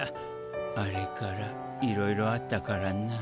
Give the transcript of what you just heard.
あれからいろいろあったからな。